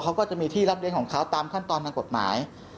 เขาก็จะมีที่รับเลี้ยงของเขาตามขั้นตอนทางกฎหมาย